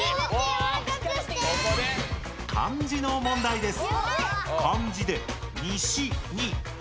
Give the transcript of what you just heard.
漢字の問題です。